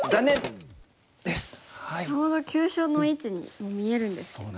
ちょうど急所の位置に見えるんですけどね。